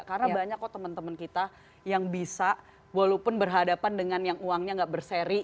karena banyak kok teman teman kita yang bisa walaupun berhadapan dengan yang uangnya nggak berseri